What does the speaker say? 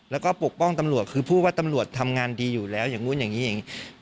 แล้วก็ปกป้องตำรวจคือพูดว่าตำรวจทำงานดีอยู่แล้วอย่างนู้นอย่างนี้อย่างนี้